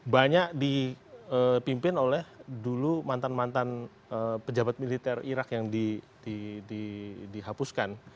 banyak dipimpin oleh dulu mantan mantan pejabat militer irak yang dihapuskan